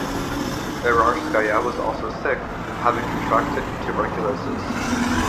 Erarskaya was also sick, having contracted tuberculosis.